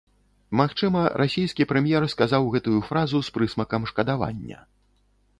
Магчыма, расійскі прэм'ер сказаў гэтую фразу з прысмакам шкадавання.